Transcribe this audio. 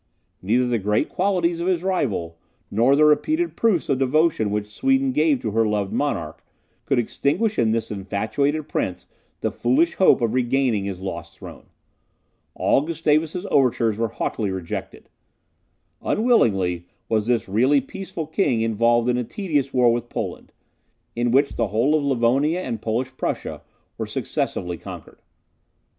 Neither the great qualities of his rival, nor the repeated proofs of devotion which Sweden gave to her loved monarch, could extinguish in this infatuated prince the foolish hope of regaining his lost throne. All Gustavus's overtures were haughtily rejected. Unwillingly was this really peaceful king involved in a tedious war with Poland, in which the whole of Livonia and Polish Prussia were successively conquered.